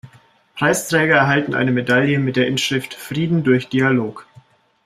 Preisträger erhalten eine Medaille mit der Inschrift „Frieden durch Dialog“.